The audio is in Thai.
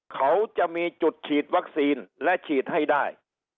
เขาจะมีจุดฉีดวัคซีนและฉีดให้ได้